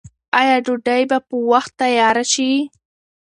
آیا ډوډۍ به په وخت تیاره شي؟